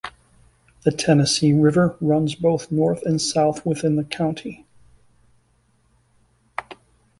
The Tennessee River runs both north and south within the county.